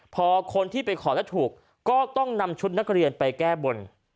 พอคนที่ไปขอแล้วถูกก็ต้องนำชุดนักเรียนไปแก้บน